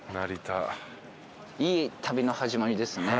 いい旅の始まりですね